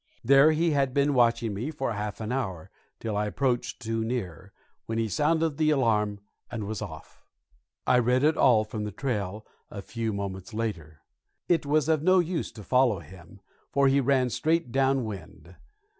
There he had been watching me for half an hour, till I approached too near, when he sounded the alarm and was off. I read it all from the trail a few moments later. It was of no use to follow him, for he ran straight down wind.